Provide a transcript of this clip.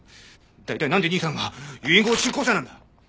大体なんで兄さんが遺言執行者なんだ！